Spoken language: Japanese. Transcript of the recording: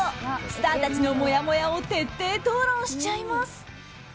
スターたちのもやもやを徹底討論しちゃいます。